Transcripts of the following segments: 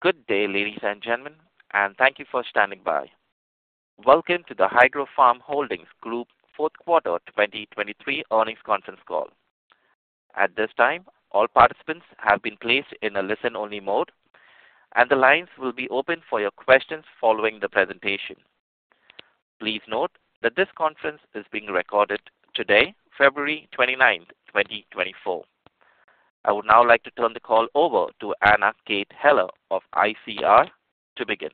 Good day, ladies and gentlemen, and thank you for standing by. Welcome to the Hydrofarm Holdings Group Fourth Quarter 2023 Earnings Conference Call. At this time, all participants have been placed in a listen-only mode, and the lines will be open for your questions following the presentation. Please note that this conference is being recorded today, February 29, 2024. I would now like to turn the call over to Anna Kate Heller of ICR to begin.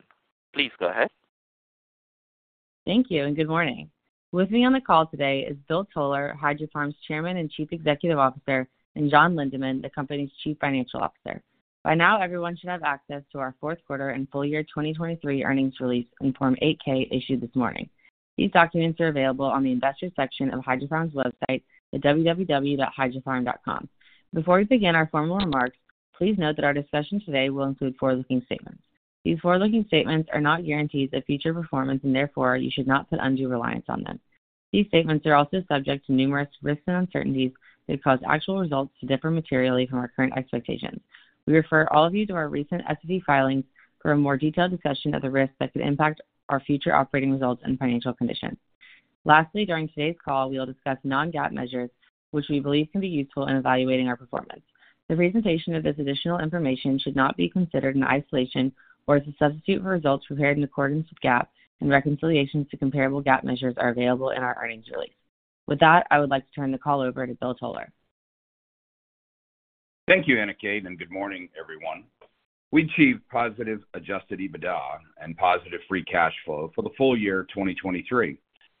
Please go ahead. Thank you, and good morning. With me on the call today is Bill Toler, Hydrofarm's Chairman and Chief Executive Officer, and John Lindeman, the company's Chief Financial Officer. By now, everyone should have access to our fourth quarter and full year 2023 earnings release on Form 8-K, issued this morning. These documents are available on the investors section of Hydrofarm's website at www.hydrofarm.com. Before we begin our formal remarks, please note that our discussion today will include forward-looking statements. These forward-looking statements are not guarantees of future performance, and therefore, you should not put undue reliance on them. These statements are also subject to numerous risks and uncertainties that cause actual results to differ materially from our current expectations. We refer all of you to our recent SEC filings for a more detailed discussion of the risks that could impact our future operating results and financial conditions. Lastly, during today's call, we will discuss non-GAAP measures, which we believe can be useful in evaluating our performance. The presentation of this additional information should not be considered in isolation or as a substitute for results prepared in accordance with GAAP, and reconciliations to comparable GAAP measures are available in our earnings release. With that, I would like to turn the call over to Bill Toler. Thank you, Anna Kate, and good morning, everyone. We achieved positive Adjusted EBITDA and positive Free Cash Flow for the full year of 2023,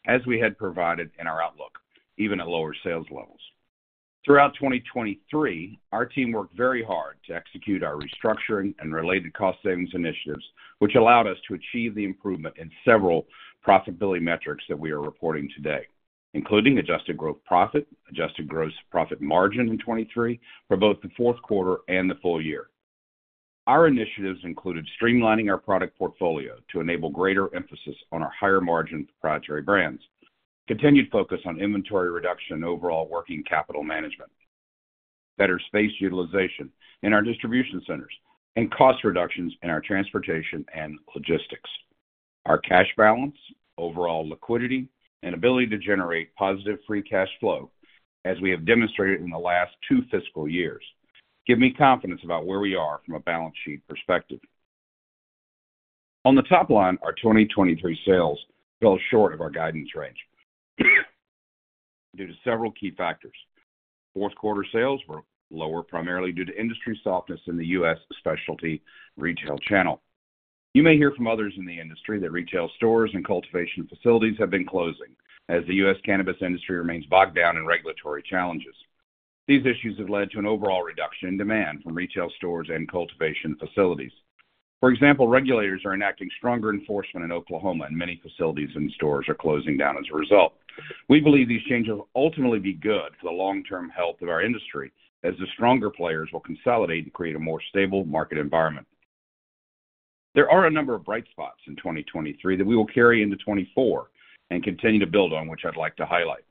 as we had provided in our outlook, even at lower sales levels. Throughout 2023, our team worked very hard to execute our restructuring and related cost savings initiatives, which allowed us to achieve the improvement in several profitability metrics that we are reporting today, including Adjusted Gross Profit, Adjusted Gross Profit margin in 2023 for both the fourth quarter and the full year. Our initiatives included streamlining our product portfolio to enable greater emphasis on our higher-margin proprietary brands, continued focus on inventory reduction and overall working capital management, better space utilization in our distribution centers, and cost reductions in our transportation and logistics. Our cash balance, overall liquidity, and ability to generate positive free cash flow, as we have demonstrated in the last two fiscal years, give me confidence about where we are from a balance sheet perspective. On the top line, our 2023 sales fell short of our guidance range due to several key factors. Fourth quarter sales were lower, primarily due to industry softness in the U.S. specialty retail channel. You may hear from others in the industry that retail stores and cultivation facilities have been closing as the U.S. cannabis industry remains bogged down in regulatory challenges. These issues have led to an overall reduction in demand from retail stores and cultivation facilities. For example, regulators are enacting stronger enforcement in Oklahoma, and many facilities and stores are closing down as a result. We believe these changes will ultimately be good for the long-term health of our industry, as the stronger players will consolidate and create a more stable market environment. There are a number of bright spots in 2023 that we will carry into 2024 and continue to build on, which I'd like to highlight.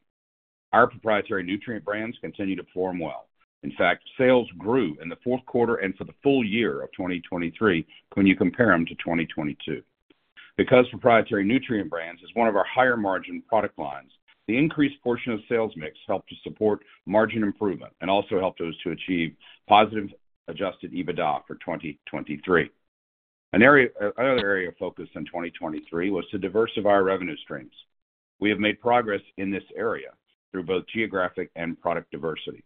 Our proprietary nutrient brands continue to perform well. In fact, sales grew in the fourth quarter and for the full year of 2023 when you compare them to 2022. Because proprietary nutrient brands is one of our higher margin product lines, the increased portion of sales mix helped to support margin improvement and also helped us to achieve positive Adjusted EBITDA for 2023. Another area of focus in 2023 was to diversify our revenue streams. We have made progress in this area through both geographic and product diversity.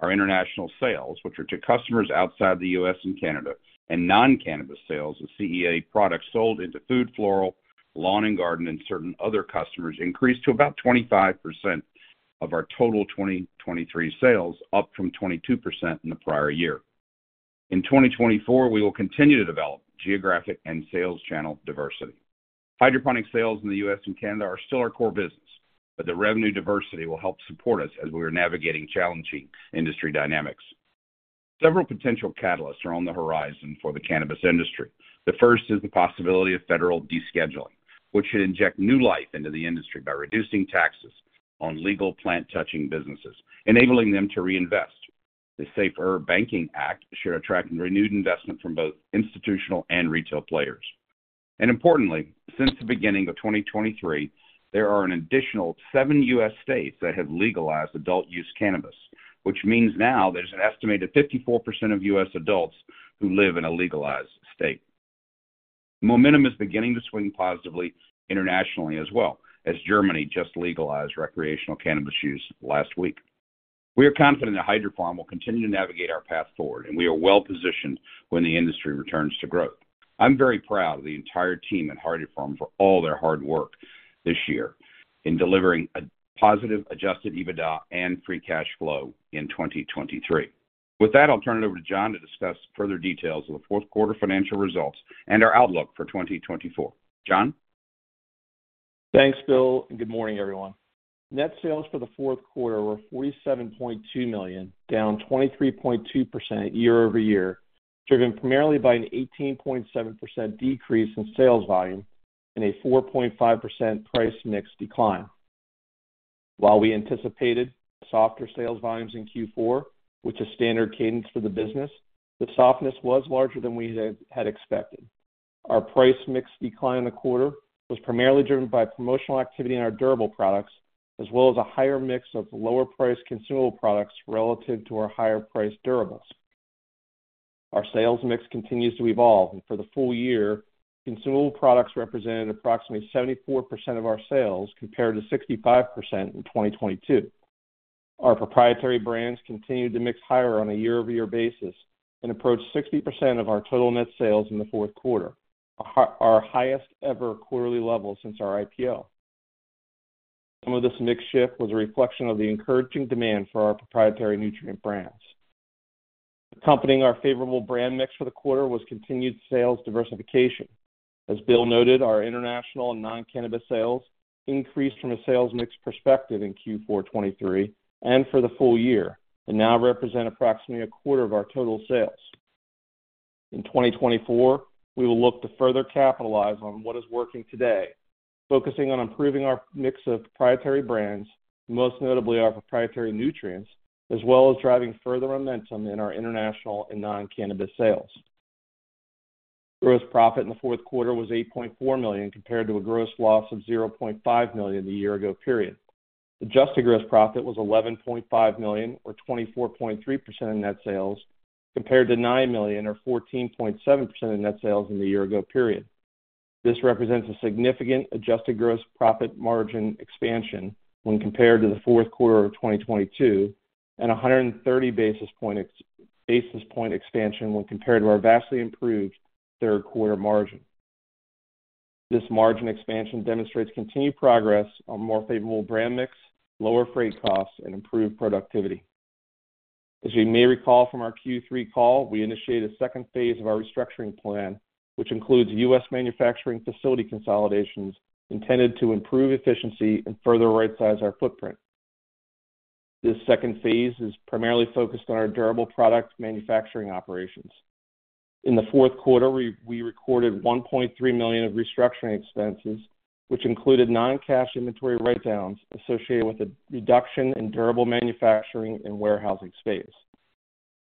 Our international sales, which are to customers outside the U.S. and Canada, and non-cannabis sales of CEA products sold into food, floral, lawn and garden, and certain other customers, increased to about 25% of our total 2023 sales, up from 22% in the prior year. In 2024, we will continue to develop geographic and sales channel diversity. Hydroponic sales in the U.S. and Canada are still our core business, but the revenue diversity will help support us as we are navigating challenging industry dynamics. Several potential catalysts are on the horizon for the cannabis industry. The first is the possibility of federal descheduling, which should inject new life into the industry by reducing taxes on legal plant-touching businesses, enabling them to reinvest. The SAFER Banking Act should attract renewed investment from both institutional and retail players. And importantly, since the beginning of 2023, there are an additional seven U.S. states that have legalized adult-use cannabis, which means now there's an estimated 54% of U.S. adults who live in a legalized state. Momentum is beginning to swing positively internationally as well, as Germany just legalized recreational cannabis use last week. We are confident that Hydrofarm will continue to navigate our path forward, and we are well-positioned when the industry returns to growth. I'm very proud of the entire team at Hydrofarm for all their hard work this year in delivering a positive Adjusted EBITDA and Free Cash Flow in 2023. With that, I'll turn it over to John to discuss further details of the fourth quarter financial results and our outlook for 2024. John? Thanks, Bill, and good morning, everyone. Net sales for the fourth quarter were $47.2 million, down 23.2% year-over-year, driven primarily by an 18.7% decrease in sales volume and a 4.5% price mix decline. While we anticipated softer sales volumes in Q4, which is standard cadence for the business, the softness was larger than we had expected. Our price mix decline in the quarter was primarily driven by promotional activity in our durable products, as well as a higher mix of lower-priced consumable products relative to our higher-priced durables. Our sales mix continues to evolve, and for the full year, consumable products represented approximately 74% of our sales, compared to 65% in 2022. Our proprietary brands continued to mix higher on a year-over-year basis and approached 60% of our total net sales in the fourth quarter, our highest ever quarterly level since our IPO. Some of this mix shift was a reflection of the encouraging demand for our proprietary nutrient brands. Accompanying our favorable brand mix for the quarter was continued sales diversification. As Bill noted, our international and non-cannabis sales increased from a sales mix perspective in Q4 2023 and for the full year, and now represent approximately a quarter of our total sales. In 2024, we will look to further capitalize on what is working today, focusing on improving our mix of proprietary brands, most notably our proprietary nutrients, as well as driving further momentum in our international and non-cannabis sales. Gross profit in the fourth quarter was $8.4 million, compared to a gross loss of $0.5 million in the year ago period. The adjusted gross profit was $11.5 million, or 24.3% of net sales, compared to $9 million, or 14.7% of net sales in the year ago period. This represents a significant adjusted gross profit margin expansion when compared to the fourth quarter of 2022, and a 130 basis point expansion when compared to our vastly improved third quarter margin. This margin expansion demonstrates continued progress on more favorable brand mix, lower freight costs, and improved productivity. As you may recall from our Q3 call, we initiated a second phase of our restructuring plan, which includes U.S. manufacturing facility consolidations intended to improve efficiency and further rightsize our footprint. This second phase is primarily focused on our durable products manufacturing operations. In the fourth quarter, we recorded $1.3 million of restructuring expenses, which included nine cash inventory writedowns associated with a reduction in durable manufacturing and warehousing space.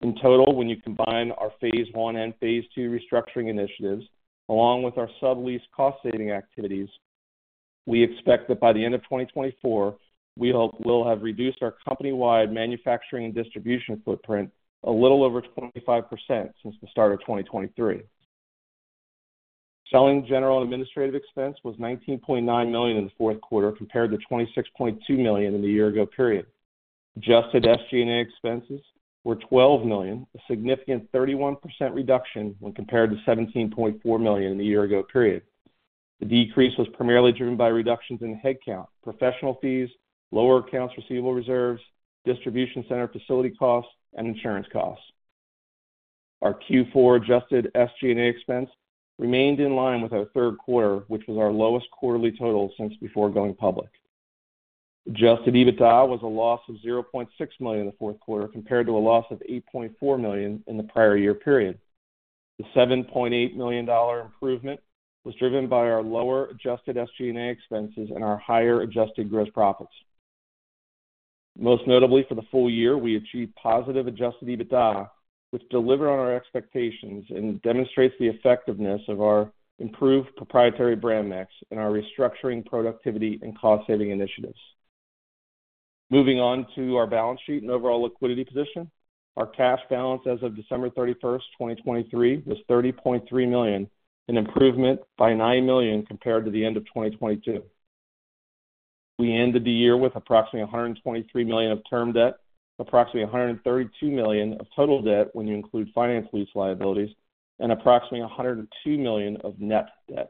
In total, when you combine our phase one and phase two restructuring initiatives, along with our sublease cost-saving activities, we expect that by the end of 2024, we hope we'll have reduced our company-wide manufacturing and distribution footprint a little over 25% since the start of 2023. Selling, general and administrative expense was $19.9 million in the fourth quarter, compared to $26.2 million in the year-ago period. Adjusted SG&A expenses were $12 million, a significant 31% reduction when compared to $17.4 million in the year-ago period. The decrease was primarily driven by reductions in headcount, professional fees, lower accounts receivable reserves, distribution center facility costs, and insurance costs. Our Q4 adjusted SG&A expense remained in line with our third quarter, which was our lowest quarterly total since before going public. Adjusted EBITDA was a loss of $0.6 million in the fourth quarter, compared to a loss of $8.4 million in the prior year period. The $7.8 million improvement was driven by our lower Adjusted SG&A expenses and our higher Adjusted Gross Profit. Most notably, for the full year, we achieved positive Adjusted EBITDA, which delivered on our expectations and demonstrates the effectiveness of our improved proprietary brand mix and our restructuring, productivity and cost-saving initiatives. Moving on to our balance sheet and overall liquidity position. Our cash balance as of December 31, 2023, was $30.3 million, an improvement by $9 million compared to the end of 2022. We ended the year with approximately $123 million of term debt, approximately $132 million of total debt when you include finance lease liabilities, and approximately $102 million of net debt.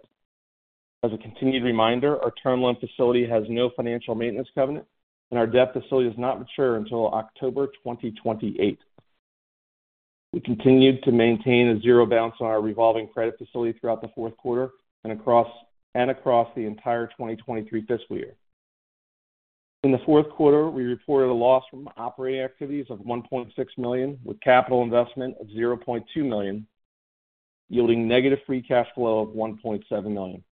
As a continued reminder, our term loan facility has no financial maintenance covenant, and our debt facility does not mature until October 2028. We continued to maintain a zero balance on our revolving credit facility throughout the fourth quarter and across the entire 2023 fiscal year. In the fourth quarter, we reported a loss from operating activities of $1.6 million, with capital investment of $0.2 million, yielding negative free cash flow of $1.7 million.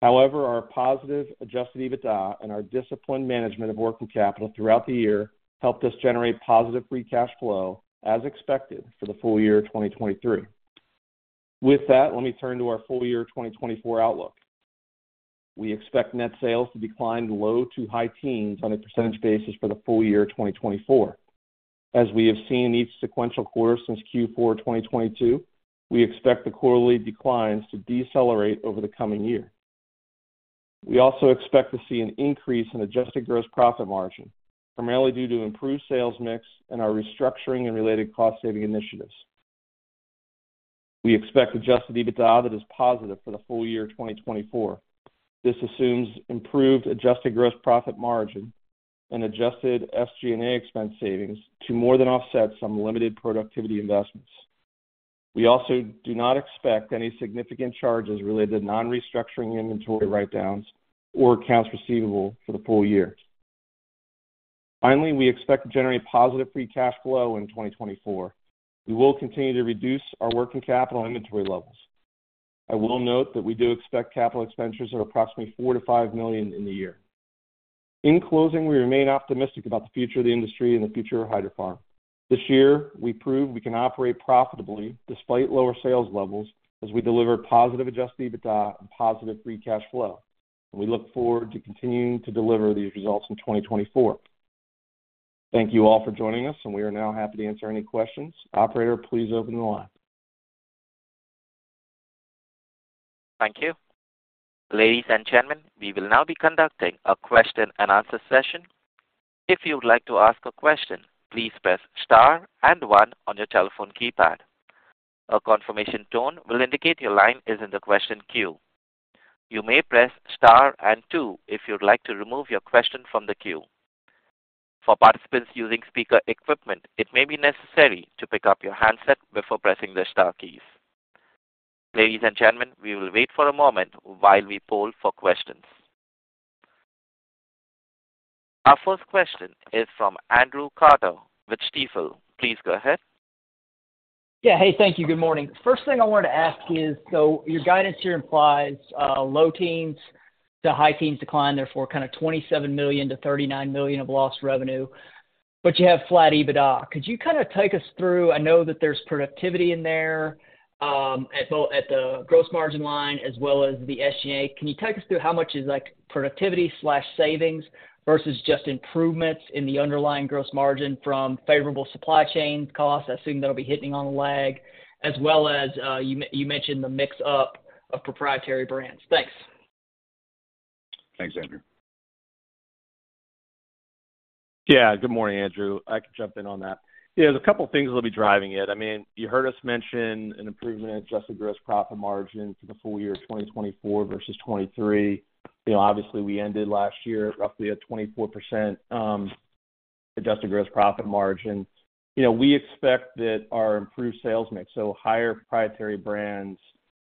However, our positive Adjusted EBITDA and our disciplined management of working capital throughout the year helped us generate positive free cash flow, as expected, for the full year 2023. With that, let me turn to our full year 2024 outlook. We expect net sales to decline low- to high-teens % for the full year 2024. As we have seen in each sequential quarter since Q4 2022, we expect the quarterly declines to decelerate over the coming year. We also expect to see an increase in adjusted gross profit margin, primarily due to improved sales mix and our restructuring and related cost-saving initiatives. We expect Adjusted EBITDA that is positive for the full year 2024. This assumes improved adjusted gross profit margin and Adjusted SG&A expense savings to more than offset some limited productivity investments. We also do not expect any significant charges related to non-restructuring inventory write-downs or accounts receivable for the full year. Finally, we expect to generate positive Free Cash Flow in 2024. We will continue to reduce our working capital inventory levels. I will note that we do expect capital expenditures of approximately $4 million-$5 million in the year. In closing, we remain optimistic about the future of the industry and the future of Hydrofarm. This year, we proved we can operate profitably despite lower sales levels, as we deliver positive Adjusted EBITDA and positive Free Cash Flow. We look forward to continuing to deliver these results in 2024. Thank you all for joining us, and we are now happy to answer any questions. Operator, please open the line. Thank you. Ladies and gentlemen, we will now be conducting a question and answer session. If you'd like to ask a question, please press Star and One on your telephone keypad. A confirmation tone will indicate your line is in the question queue. You may press Star and Two if you'd like to remove your question from the queue. For participants using speaker equipment, it may be necessary to pick up your handset before pressing the star keys. Ladies and gentlemen, we will wait for a moment while we poll for questions. Our first question is from Andrew Carter with Stifel. Please go ahead. Yeah. Hey, thank you. Good morning. First thing I wanted to ask is, so your guidance here implies low teens% to high teens% decline, therefore kind of $27 million-$39 million of lost revenue, but you have flat EBITDA. Could you kind of take us through? I know that there's productivity in there at both the gross margin line as well as the SG&A. Can you take us through how much is, like, productivity slash savings versus just improvements in the underlying gross margin from favorable supply chain costs? I assume that'll be hitting on a lag, as well as you mentioned the mix-up of proprietary brands. Thanks. Thanks, Andrew. Yeah, good morning, Andrew. I can jump in on that. Yeah, there's a couple things that'll be driving it. I mean, you heard us mention an improvement in Adjusted Gross Profit margin for the full year of 2024 versus 2023. You know, obviously, we ended last year roughly at 24% Adjusted Gross Profit margin. You know, we expect that our improved sales mix, so higher Proprietary Brands,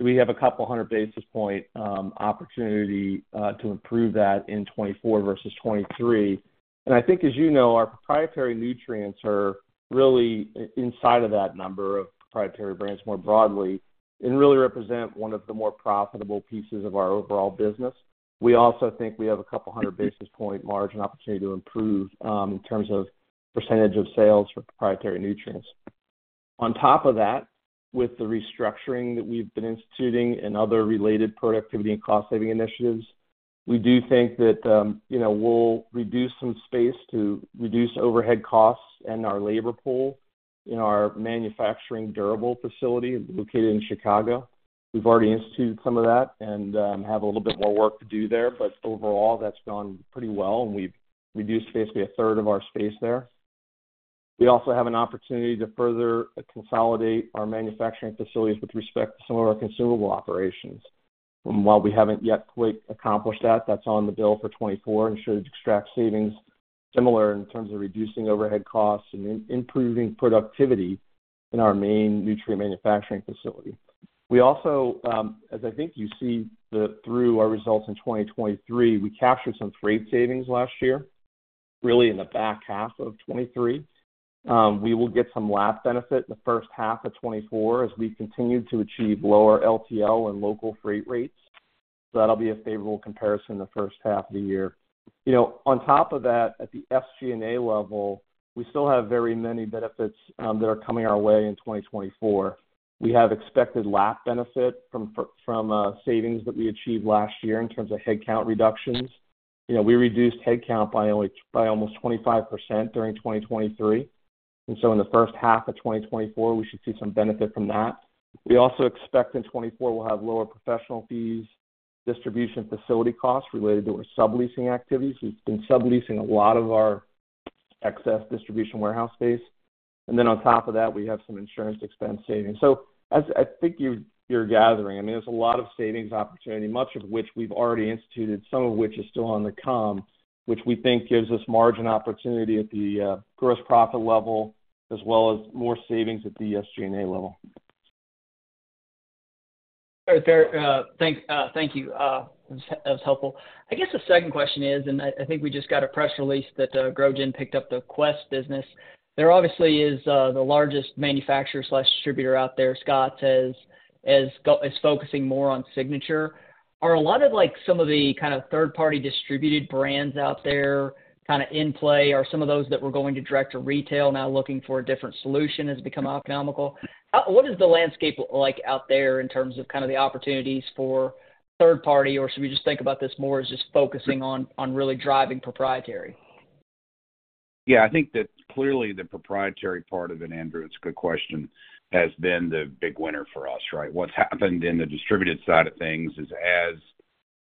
we have a couple hundred basis points opportunity to improve that in 2024 versus 2023. And I think, as you know, our proprietary nutrients are really inside of that number of Proprietary Brands more broadly, and really represent one of the more profitable pieces of our overall business. We also think we have a couple hundred basis points margin opportunity to improve in terms of percentage of sales for proprietary nutrients. On top of that, with the restructuring that we've been instituting and other related productivity and cost-saving initiatives, we do think that, you know, we'll reduce some space to reduce overhead costs and our labor pool in our manufacturing durable facility located in Chicago. We've already instituted some of that and have a little bit more work to do there, but overall, that's gone pretty well, and we've reduced basically a third of our space there. We also have an opportunity to further consolidate our manufacturing facilities with respect to some of our consumable operations. And while we haven't yet quite accomplished that, that's on the bill for 2024 and should extract savings similar in terms of reducing overhead costs and improving productivity in our main nutrient manufacturing facility. We also, as I think you see through our results in 2023, we captured some freight savings last year, really in the back half of 2023. We will get some lap benefit in the first half of 2024 as we continue to achieve lower LTL and local freight rates. So that'll be a favorable comparison in the first half of the year. You know, on top of that, at the SG&A level, we still have very many benefits that are coming our way in 2024. We have expected lap benefit from savings that we achieved last year in terms of headcount reductions. You know, we reduced headcount by almost 25% during 2023, and so in the first half of 2024, we should see some benefit from that. We also expect in 2024 we'll have lower professional fees, distribution facility costs related to our subleasing activities. We've been subleasing a lot of our excess distribution warehouse space, and then on top of that, we have some insurance expense savings. So as I think you're, you're gathering, I mean, there's a lot of savings opportunity, much of which we've already instituted, some of which is still on the come, which we think gives us margin opportunity at the gross profit level, as well as more savings at the SG&A level. All right, fair. Thank you. That was helpful. I guess the second question is, and I think we just got a press release that Griffin picked up the Quest business. There obviously is the largest manufacturer slash distributor out there. Scotts has, as it is focusing more on signature. Are a lot of, like, some of the kind of third-party distributed brands out there, kind of in play, are some of those that we're going to direct to retail now looking for a different solution, has become economical? What is the landscape like out there in terms of kind of the opportunities for third party, or should we just think about this more as just focusing on really driving proprietary? Yeah, I think that clearly the proprietary part of it, Andrew, it's a good question, has been the big winner for us, right? What's happened in the distributed side of things is as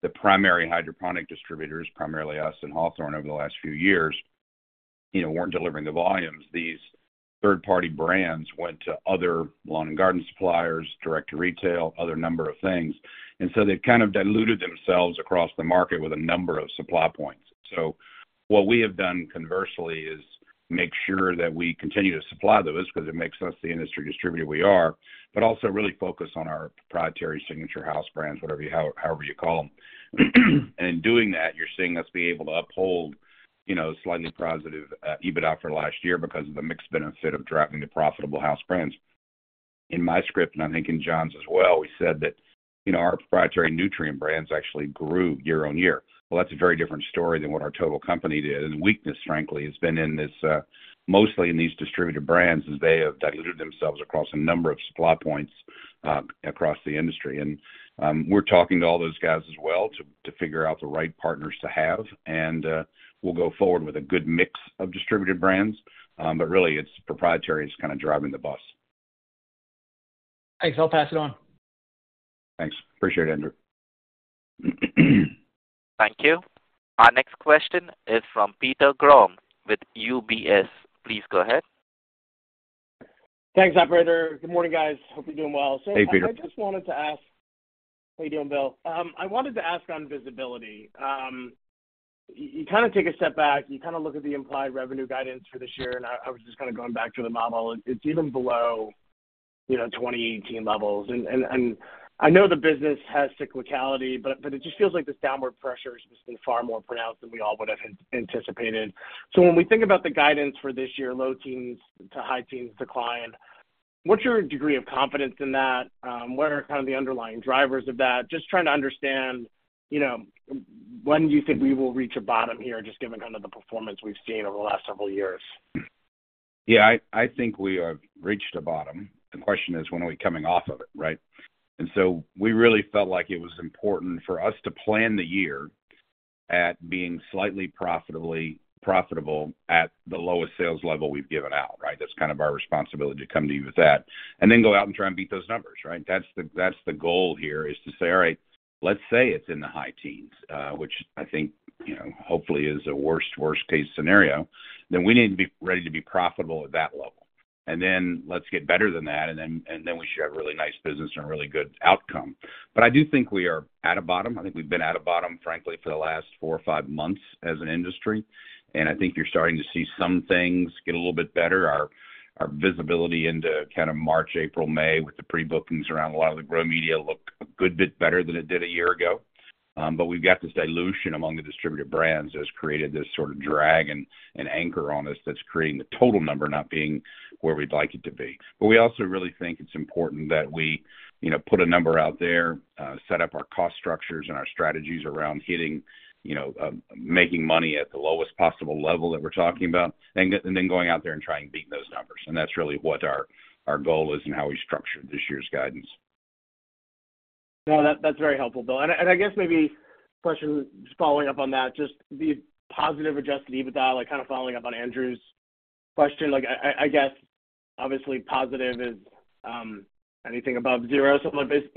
the primary hydroponic distributors, primarily us and Hawthorne over the last few years, you know, weren't delivering the volumes, these third-party brands went to other lawn and garden suppliers, direct to retail, other number of things. And so they've kind of diluted themselves across the market with a number of supply points. So what we have done, conversely, is- ... make sure that we continue to supply those because it makes us the industry distributor we are, but also really focus on our proprietary signature house brands, whatever you, however you call them. And in doing that, you're seeing us be able to uphold, you know, slightly positive EBITDA for last year because of the mixed benefit of driving the profitable house brands. In my script, and I think in John's as well, we said that, you know, our proprietary nutrient brands actually grew year-over-year. Well, that's a very different story than what our total company did, and the weakness, frankly, has been in this, mostly in these distributor brands as they have diluted themselves across a number of supply points, across the industry. We're talking to all those guys as well to figure out the right partners to have, and we'll go forward with a good mix of distributor brands. But really, it's proprietary is kind of driving the bus. Thanks. I'll pass it on. Thanks. Appreciate it, Andrew. Thank you. Our next question is from Peter Grom with UBS. Please go ahead. Thanks, operator. Good morning, guys. Hope you're doing well. Hey, Peter. I just wanted to ask—How are you doing, Bill? I wanted to ask on visibility. You take a step back, you look at the implied revenue guidance for this year, and I was just going back to the model. It's even below, you know, 2018 levels. And I know the business has cyclicality, but it just feels like this downward pressure has just been far more pronounced than we all would have anticipated. So when we think about the guidance for this year, low teens to high teens decline, what's your degree of confidence in that? What are the underlying drivers of that? Just trying to understand, you know, when do you think we will reach a bottom here, just given kind of the performance we've seen over the last several years? Yeah, I, I think we have reached a bottom. The question is, when are we coming off of it, right? And so we really felt like it was important for us to plan the year at being slightly profitably-profitable at the lowest sales level we've given out, right? That's kind of our responsibility to come to you with that, and then go out and try and beat those numbers, right? That's the, that's the goal here, is to say, all right, let's say it's in the high teens, which I think, you know, hopefully is a worst, worst case scenario, then we need to be ready to be profitable at that level. And then let's get better than that, and then, and then we should have really nice business and a really good outcome. But I do think we are at a bottom. I think we've been at a bottom, frankly, for the last four or five months as an industry, and I think you're starting to see some things get a little bit better. Our our visibility into kind of March, April, May, with the pre-bookings around a lot of the grow media look a good bit better than it did a year ago. But we've got this dilution among the distributor brands that has created this sort of drag and anchor on us that's creating the total number not being where we'd like it to be. But we also really think it's important that we, you know, put a number out there, set up our cost structures and our strategies around hitting, you know, making money at the lowest possible level that we're talking about, and then going out there and trying to beat those numbers. And that's really what our goal is and how we structured this year's guidance. No, that's very helpful, Bill. And I guess maybe a question just following up on that, just the positive Adjusted EBITDA, like, kind of following up on Andrew's question. Like, I guess obviously positive is anything above zero. So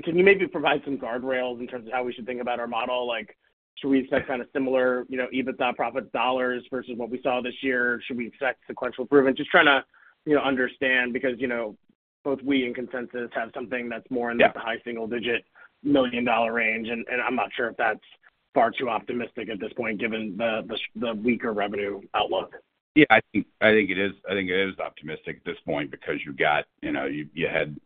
can you maybe provide some guardrails in terms of how we should think about our model? Like, should we expect kind of similar, you know, EBITDA profit dollars versus what we saw this year? Should we expect sequential improvement? Just trying to, you know, understand, because, you know, both we and consensus have something that's more in the high single-digit $ million range, and I'm not sure if that's far too optimistic at this point, given the weaker revenue outlook. Yeah, I think it is optimistic at this point because you've got... You know, you had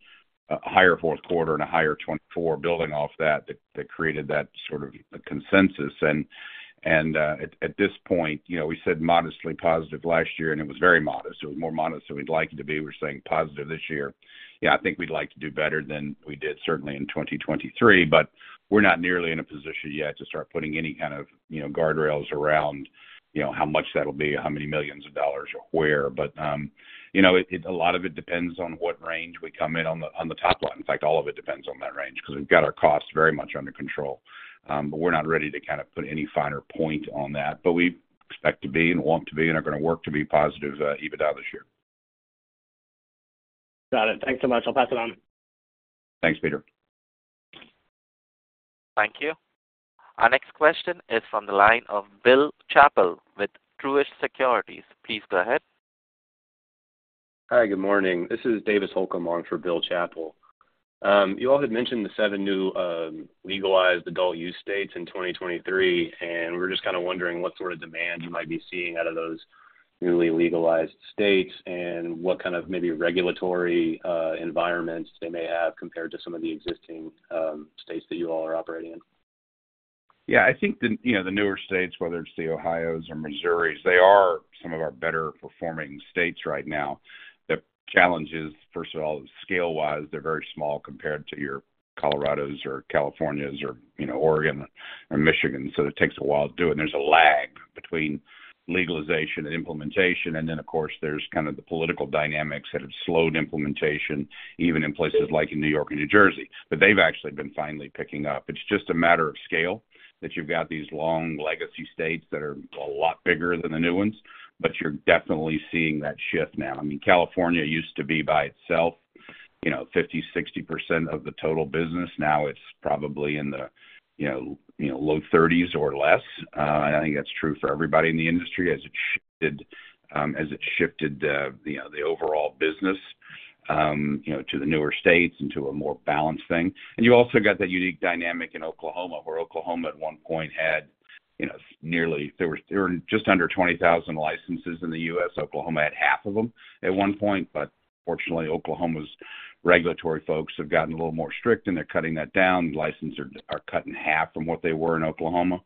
a higher fourth quarter and a higher 2024 building off that that created that sort of consensus. And at this point, you know, we said modestly positive last year, and it was very modest. It was more modest than we'd like it to be. We're saying positive this year. Yeah, I think we'd like to do better than we did certainly in 2023, but we're not nearly in a position yet to start putting any kind of, you know, guardrails around, you know, how much that'll be, how many millions of dollars or where. But you know, a lot of it depends on what range we come in on the top line. In fact, all of it depends on that range, because we've got our costs very much under control. But we're not ready to kind of put any finer point on that. But we expect to be and want to be, and are going to work to be positive EBITDA this year. Got it. Thanks so much. I'll pass it on. Thanks, Peter. Thank you. Our next question is from the line of Bill Chappell with Truist Securities. Please go ahead. Hi, good morning. This is Davis Holcombe on for Bill Chappell. You all had mentioned the seven new legalized adult use states in 2023, and we're just kind of wondering what sort of demand you might be seeing out of those newly legalized states and what kind of maybe regulatory environments they may have compared to some of the existing states that you all are operating in? Yeah, I think the, you know, the newer states, whether it's the Ohios or Missouris, they are some of our better performing states right now. The challenge is, first of all, scale-wise, they're very small compared to your Colorados or Californias or, you know, Oregon or Michigan, so it takes a while to do it. There's a lag between legalization and implementation, and then, of course, there's kind of the political dynamics that have slowed implementation, even in places like in New York and New Jersey. But they've actually been finally picking up. It's just a matter of scale, that you've got these long legacy states that are a lot bigger than the new ones, but you're definitely seeing that shift now. I mean, California used to be by itself, you know, 50%-60% of the total business. Now it's probably in the, you know, you know, low 30s or less. And I think that's true for everybody in the industry as it shifted, you know, the overall business to the newer states and to a more balanced thing. And you also got that unique dynamic in Oklahoma, where Oklahoma at one point had, you know, nearly, there were just under 20,000 licenses in the U.S. Oklahoma had half of them at one point, but fortunately, Oklahoma's regulatory folks have gotten a little more strict, and they're cutting that down. Licenses are cut in half from what they were in Oklahoma,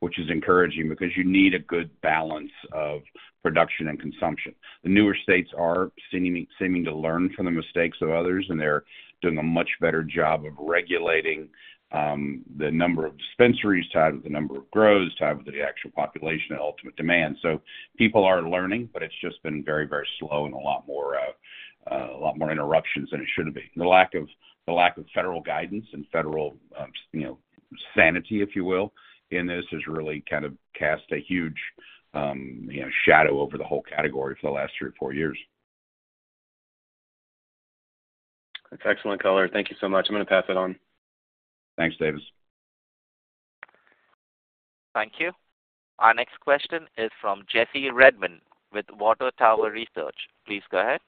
which is encouraging because you need a good balance of production and consumption. The newer states are seeming to learn from the mistakes of others, and they're doing a much better job of regulating, the number of dispensaries tied with the number of grows, tied with the actual population and ultimate demand. So people are learning, but it's just been very, very slow and a lot more interruptions than it should be. The lack of federal guidance and federal, you know, sanity, if you will, in this has really kind of cast a huge, you know, shadow over the whole category for the last three or four years. That's excellent color. Thank you so much. I'm gonna pass it on. Thanks, Davis. Thank you. Our next question is from Jesse Redmond with Water Tower Research. Please go ahead.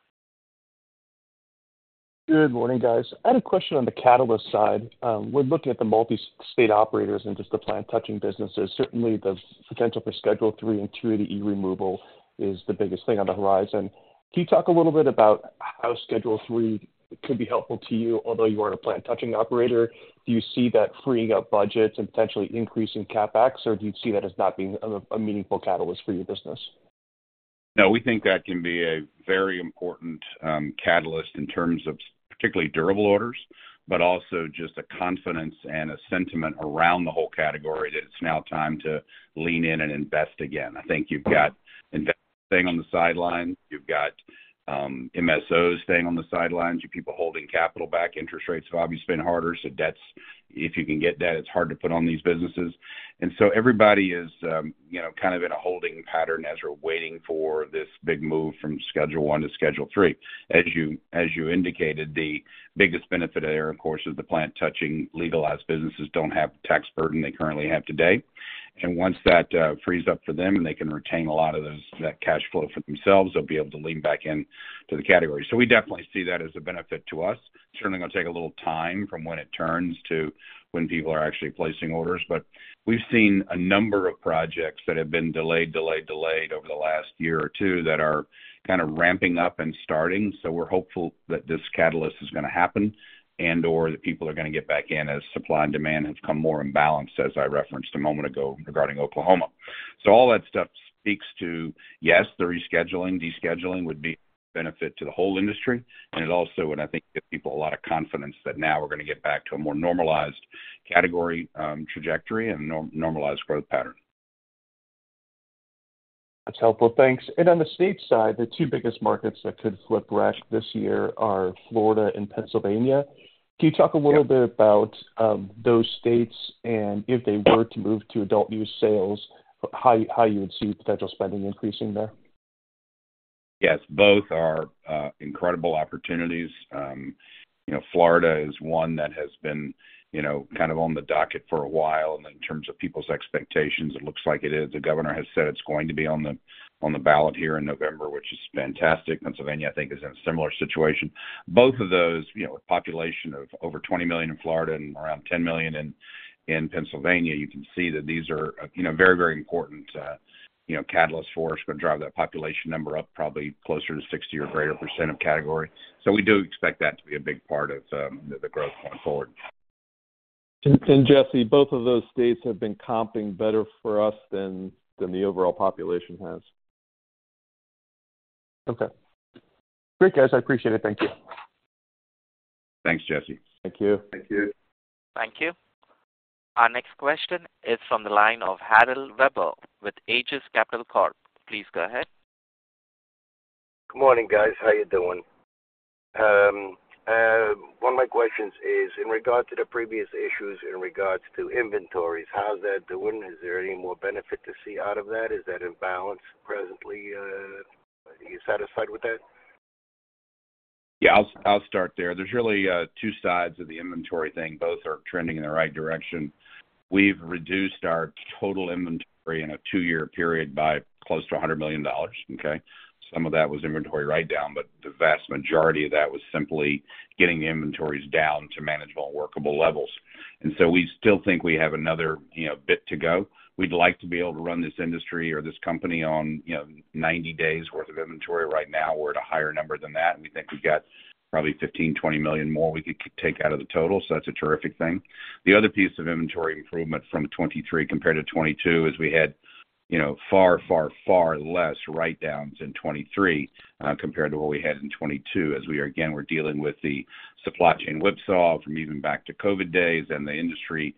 Good morning, guys. I had a question on the catalyst side. We're looking at the multi-state operators and just the plant-touching businesses. Certainly, the potential for Schedule Three and descheduling is the biggest thing on the horizon. Can you talk a little bit about how Schedule Three could be helpful to you, although you aren't a plant-touching operator? Do you see that freeing up budgets and potentially increasing CapEx, or do you see that as not being a meaningful catalyst for your business? No, we think that can be a very important catalyst in terms of particularly durable orders, but also just a confidence and a sentiment around the whole category that it's now time to lean in and invest again. I think you've got investors staying on the sidelines. You've got MSOs staying on the sidelines. You have people holding capital back. Interest rates have obviously been harder, so debts, if you can get debt, it's hard to put on these businesses. And so everybody is, you know, kind of in a holding pattern as we're waiting for this big move from Schedule One to Schedule Three. As you, as you indicated, the biggest benefit there, of course, is the plant-touching legalized businesses don't have the tax burden they currently have today. And once that frees up for them and they can retain a lot of those, that cash flow for themselves, they'll be able to lean back in to the category. So we definitely see that as a benefit to us. It's certainly going to take a little time from when it turns to when people are actually placing orders, but we've seen a number of projects that have been delayed, delayed, delayed over the last year or two that are kind of ramping up and starting. So we're hopeful that this catalyst is gonna happen and/or that people are gonna get back in as supply and demand has come more in balance, as I referenced a moment ago regarding Oklahoma. So all that stuff speaks to, yes, the rescheduling, descheduling would be a benefit to the whole industry, and it also, and I think, give people a lot of confidence that now we're gonna get back to a more normalized category, trajectory and normalized growth pattern. That's helpful. Thanks. On the state side, the two biggest markets that could flip rec this year are Florida and Pennsylvania. Yep. Can you talk a little bit about those states and if they were to move to adult use sales, how you would see potential spending increasing there? Yes, both are incredible opportunities. You know, Florida is one that has been, you know, kind of on the docket for a while, and in terms of people's expectations, it looks like it is. The governor has said it's going to be on the, on the ballot here in November, which is fantastic. Pennsylvania, I think, is in a similar situation. Both of those, you know, with population of over 20 million in Florida and around 10 million in Pennsylvania, you can see that these are, you know, very, very important catalysts for us. We're gonna drive that population number up probably closer to 60% or greater of category. So we do expect that to be a big part of the growth going forward. Jesse, both of those states have been comping better for us than the overall population has. Okay. Great, guys. I appreciate it. Thank you. Thanks, Jesse. Thank you. Thank you. Thank you. Our next question is from the line of Harold Weber with Aegis Capital Corp. Please go ahead. Good morning, guys. How are you doing? One of my questions is in regard to the previous issues in regards to inventories, how's that doing? Is there any more benefit to see out of that? Is that in balance presently, are you satisfied with that? Yeah, I'll, I'll start there. There's really two sides of the inventory thing. Both are trending in the right direction. We've reduced our total inventory in a two-year period by close to $100 million, okay? Some of that was inventory write down, but the vast majority of that was simply getting the inventories down to manageable and workable levels. And so we still think we have another, you know, bit to go. We'd like to be able to run this industry or this company on, you know, 90 days worth of inventory. Right now, we're at a higher number than that, and we think we've got probably 15-20 million more we could take out of the total. So that's a terrific thing. The other piece of inventory improvement from 2023 compared to 2022 is we had, you know, far, far, far less write downs in 2023, compared to what we had in 2022, as we are again, we're dealing with the supply chain whipsaw from even back to COVID days and the industry,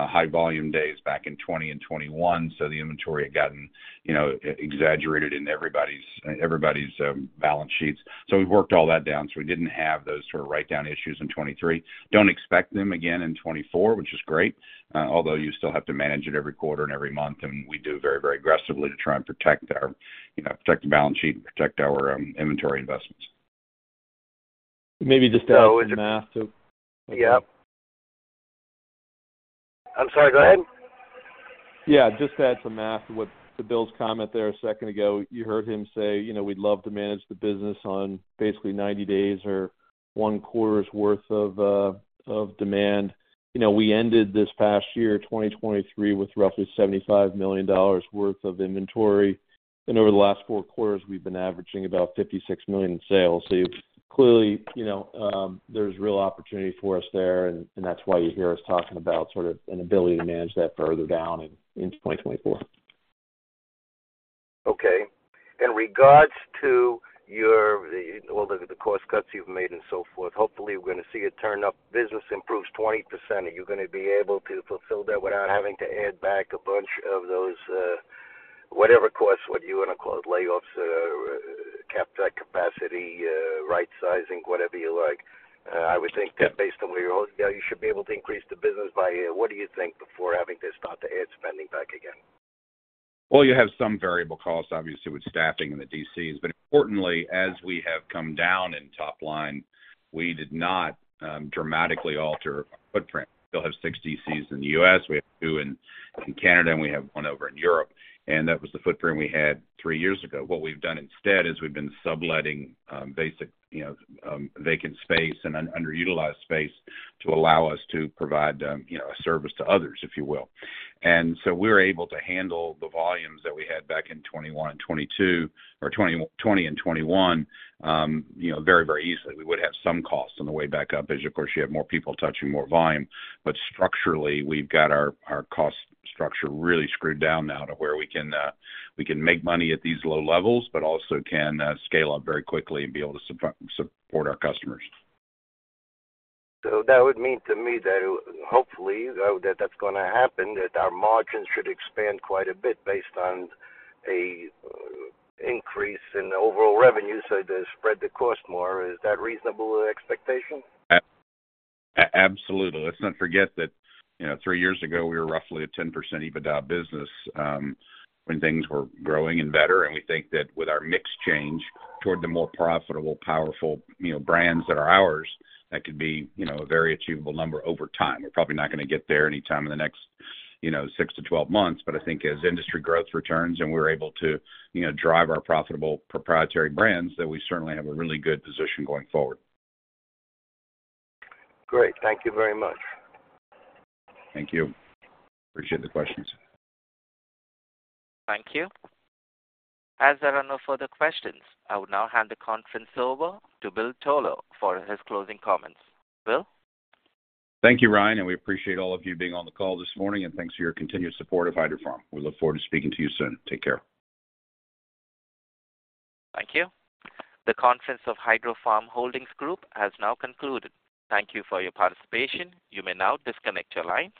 high volume days back in 2020 and 2021. So the inventory had gotten, you know, exaggerated in everybody's balance sheets. So we've worked all that down, so we didn't have those sort of write down issues in 2023. Don't expect them again in 2024, which is great, although you still have to manage it every quarter and every month, and we do very, very aggressively to try and protect our, you know, protect the balance sheet and protect our inventory investments. Maybe just to add to... Yeah.... I'm sorry, go ahead. Yeah, just to add some math to what Bill's comment there a second ago, you heard him say, you know, we'd love to manage the business on basically 90 days or one quarter's worth of of demand. You know, we ended this past year, 2023, with roughly $75 million worth of inventory, and over the last four quarters, we've been averaging about $56 million in sales. So clearly, you know, there's real opportunity for us there, and, and that's why you hear us talking about sort of an ability to manage that further down in, into 2024. Okay. In regards to your, well, the cost cuts you've made and so forth, hopefully we're gonna see a turn up. Business improves 20%, are you gonna be able to fulfill that without having to add back a bunch of those, whatever costs, what you wanna call it, layoffs, cap capacity, right sizing, whatever you like? I would think that based on where you are, you should be able to increase the business by, what do you think, before having to start to add spending back again? Well, you have some variable costs, obviously, with staffing in the DCs. But importantly, as we have come down in top line, we did not dramatically alter our footprint. We still have six DCs in the U.S., we have two in Canada, and we have one over in Europe, and that was the footprint we had three years ago. What we've done instead is we've been subletting basic, you know, vacant space and underutilized space to allow us to provide, you know, a service to others, if you will. And so we're able to handle the volumes that we had back in 2021 and 2022, or 2020 and 2021, you know, very, very easily. We would have some costs on the way back up, as of course, you have more people touching more volume. Structurally, we've got our cost structure really screwed down now to where we can make money at these low levels, but also can scale up very quickly and be able to support our customers. So that would mean to me that hopefully, though, that that's gonna happen, that our margins should expand quite a bit based on an increase in the overall revenue, so they spread the cost more. Is that a reasonable expectation? Absolutely. Let's not forget that, you know, three years ago, we were roughly a 10% EBITDA business, when things were growing and better. And we think that with our mix change toward the more profitable, powerful, you know, brands that are ours, that could be, you know, a very achievable number over time. We're probably not gonna get there anytime in the next, you know, 6-12 months, but I think as industry growth returns and we're able to, you know, drive our profitable proprietary brands, that we certainly have a really good position going forward. Great. Thank you very much. Thank you. Appreciate the questions. Thank you. As there are no further questions, I will now hand the conference over to Bill Toler for his closing comments. Bill? Thank you, Ryan, and we appreciate all of you being on the call this morning, and thanks for your continued support of Hydrofarm. We look forward to speaking to you soon. Take care. Thank you. The conference of Hydrofarm Holdings Group has now concluded. Thank you for your participation. You may now disconnect your line.